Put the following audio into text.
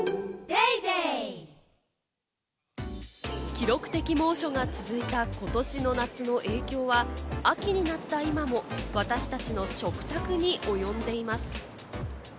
記録的猛暑が続いた、ことしの夏の影響は秋になった今も私達の食卓に及んでいます。